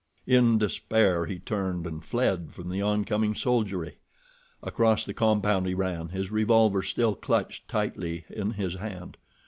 In despair, he turned and fled from the oncoming soldiery. Across the compound he ran, his revolver still clutched tightly in his hand.